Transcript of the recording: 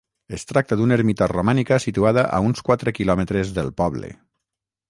Es tracta d'una ermita romànica situada a uns quatre quilòmetres del poble.